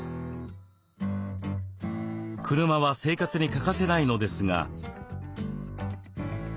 車は生活に欠かせないのですが。